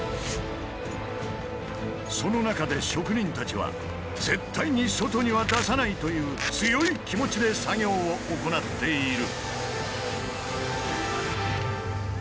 その中で職人たちは絶対に外には出さないという強い気持ちで作業を行っている。